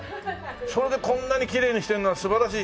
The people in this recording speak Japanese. それでこんなにきれいにしてるのは素晴らしい。